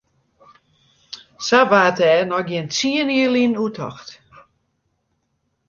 Sa waard dêr noch gjin tsien jier lyn oer tocht.